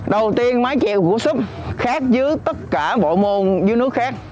đầu tiên mái chèo của súp khác với tất cả bộ môn dưới nước khác